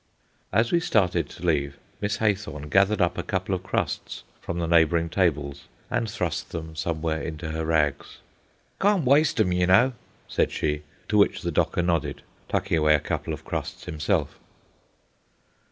As we started to leave, Miss Haythorne gathered up a couple of crusts from the neighbouring tables and thrust them somewhere into her rags. "Cawn't wyste 'em, you know," said she; to which the docker nodded, tucking away a couple of crusts himself.